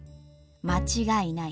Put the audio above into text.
間違いない。